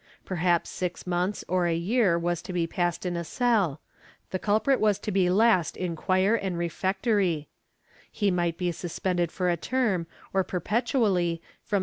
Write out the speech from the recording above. Perhaps six months or a year was to be passed in a cell; the culprit was to be last in choir and refectory; he might be suspended for a term or perpetually from some or » MSS.